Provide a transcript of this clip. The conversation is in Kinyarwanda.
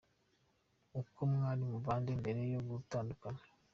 Uko mwari mubanye mbere yo gutandukana.